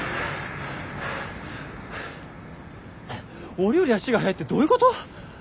俺より足が速いってどういうこと？